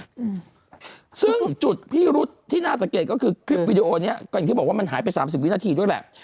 อืมซึ่งจุดพิรุษที่น่าสังเกตก็คือคลิปวีดีโอเนี้ยก็อย่างที่บอกว่ามันหายไปสามสิบวินาทีด้วยแหละ